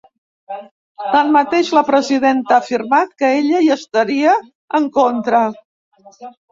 Tanmateix, la presidenta ha afirmat que ella hi ‘estaria en contra’.